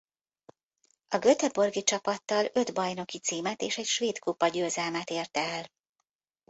A göteborgi csapattal öt bajnoki címet és egy svédkupa-győzelmet ért el.